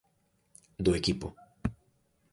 Do equipo.